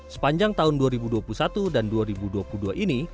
sepanjang tahun dua ribu dua puluh satu dan dua ribu dua puluh dua ini